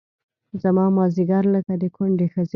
زما مازدیګر لکه د کونډې ښځې